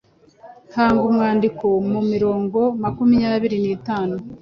Hanga umwandiko mu mirongo makumyabiri n’itanu